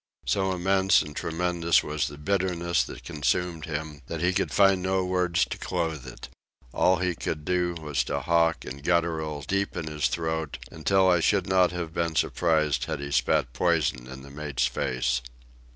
So immense and tremendous was the bitterness that consumed him that he could find no words to clothe it. All he could do was to hawk and guttural deep in his throat until I should not have been surprised had he spat poison in the mate's face.